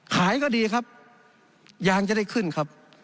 ขายก็ดีครับยางจะได้ขึ้นครับ